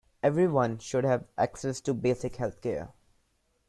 Everyone should have access to basic health-care.